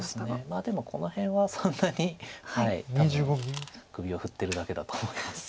まあでもこの辺はそんなに多分首を振ってるだけだと思います。